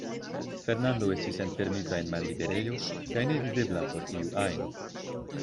Fernando estis enfermita en malliberejo, kaj nevidebla por iu ajn.